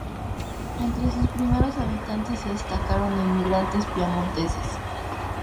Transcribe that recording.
Entre sus primeros habitantes se destacaron inmigrantes piamonteses.